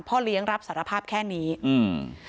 เลี้ยงรับสารภาพแค่นี้อืม